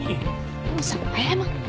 お父さんも謝って。